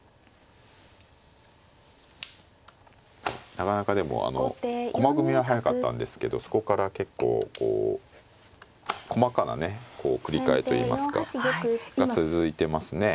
なかなかでも駒組みは速かったんですけどそこから結構こう細かなねこう繰り替えといいますかが続いてますね。